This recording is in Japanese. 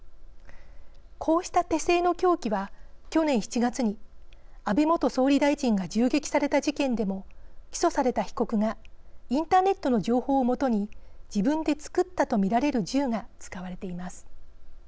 こうした手製の凶器は去年７月に安倍元総理大臣が銃撃された事件でも起訴された被告がインターネットの情報を基に自分で作ったと見られる銃が使われています。